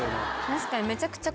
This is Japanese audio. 確かに。